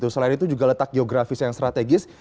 selain itu juga letak geografis yang strategis